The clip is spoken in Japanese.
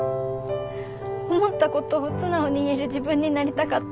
思ったことを素直に言える自分になりたかった。